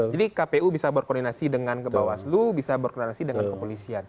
jadi kpu bisa berkoordinasi dengan kebawas slu bisa berkoordinasi dengan kepolisian